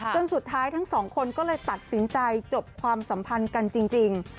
จนสุดท้ายทั้งสองคนก็เลยตัดสินใจจบความสัมพันธ์กันจริง